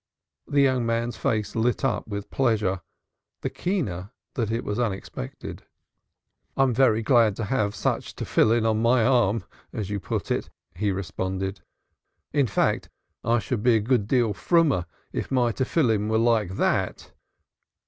The young man's face lit up with pleasure, the keener that it was unexpected. "I am very glad to have such phylacteries on my arm, as you put it," he responded. "I fancy I should be a good deal froomer if my phylacteries were like that."